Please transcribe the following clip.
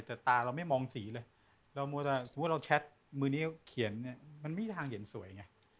แต่ตาเราไม่มองสีเลยถ้าเราแชทมือนิ้วเขียนมันไม่มีทางเห็นสวยไง